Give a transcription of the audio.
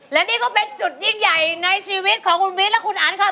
และนี่ก็เป็นจุดยิ่งใหญ่ในชีวิตของคุณวิทย์และคุณอันค่ะ